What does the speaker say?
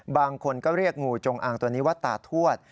บางคนก็เรียกงูจงอางตัวนี้ว่าตาทวด